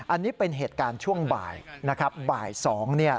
อันนี้เป็นเหตุการณ์ช่วงบ่ายบ่ายสอง